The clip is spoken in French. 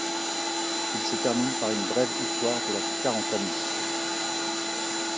Il se termine par une brève histoire de la Carantanie.